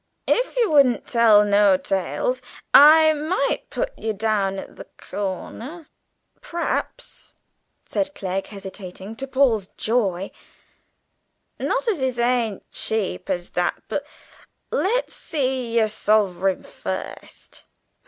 "If yer wouldn't tell no tales, I might put yer down at the corner p'raps," said Clegg, hesitating, to Paul's joy; "not as it ain't cheap at that, but let's see yer suffering fust.